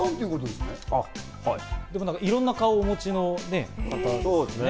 でもいろんな顔をお持ちの方ですよね。